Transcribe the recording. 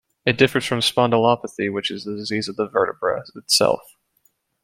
It differs from spondylopathy, which is a disease of the vertebra itself.